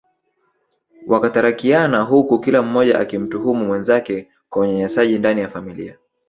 Wakatarakiana huku kila mmoja akimtuhumu mwenzake kwa Unyanyasaji ndani ya familia